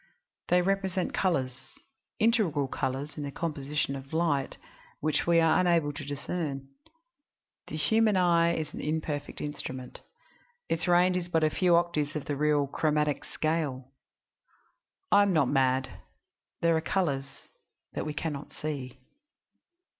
They represent colors integral colors in the composition of light which we are unable to discern. The human eye is an imperfect instrument; its range is but a few octaves of the real 'chromatic scale' I am not mad; there are colors that we can not see.